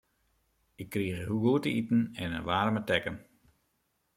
Ik krige goed te iten en in waarme tekken.